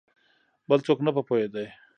بل څوک نه په پوهېدی !